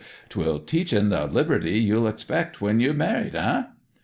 'Twill teach en the liberty you'll expect when you've married en!'